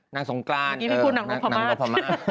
นางสงการเออนางโรภามาก